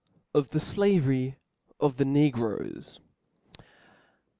Of the Slavery of the Negroes.